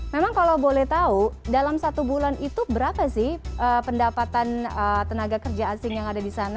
memang kalau boleh tahu dalam satu bulan itu berapa sih pendapatan tenaga kerja asing yang ada di sana